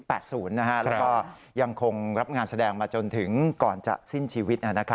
แล้วก็ยังคงรับงานแสดงมาจนถึงก่อนจะสิ้นชีวิต